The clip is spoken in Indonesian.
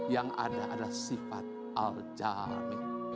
yang ada adalah sifat al jami